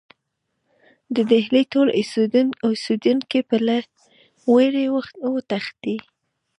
د ډهلي ټول اوسېدونکي به له وېرې وتښتي.